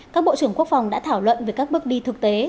các bộ trưởng quốc phòng đã thảo luận về các bước đi thực tế